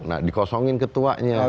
nah dikosongin ketuanya